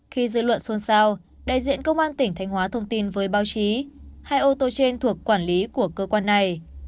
khi dư luận xôn xao đại diện công an tỉnh thanh hóa thông tin với báo chí hai ô tô trên thuộc quản lý của cơ quan này